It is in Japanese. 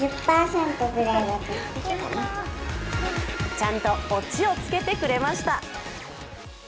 ちゃんとオチをつけてくれました。